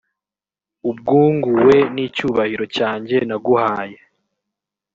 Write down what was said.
ubwunguwe n’icyubahiro cyanjye naguhaye